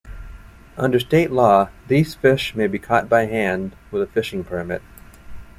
Under state law, these fish may be caught by hand with a fishing permit.